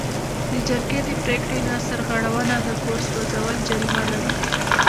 د جرګې د پریکړې نه سرغړونه د کور سوځول جریمه لري.